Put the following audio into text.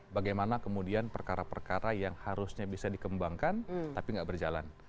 bagaimana kemudian perkara perkara yang harusnya bisa dikembangkan tapi tidak berjalan